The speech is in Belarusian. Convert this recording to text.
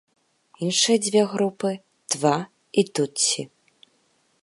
Іншыя дзве групы тва і тутсі.